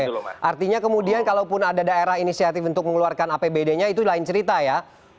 sebenarnya kemudian kalau pun ada daerah inisiatif untuk mengeluarkan apbd nya itu lain cerita ya